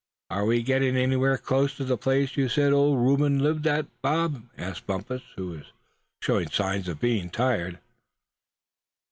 "Are we getting anywhere close to the place you said old Reuben lived at, Bob?" asked Bumpus, who was showing signs of being tired.